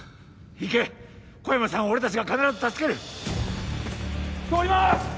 行け小山さんは俺達が必ず助ける通ります